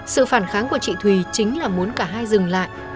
sự phản kháng của chị thùy chính là muốn cả hai dừng lại